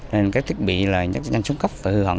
nên các thiết bị là nhanh xuống cấp và hư hận